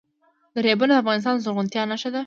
دریابونه د افغانستان د زرغونتیا نښه ده.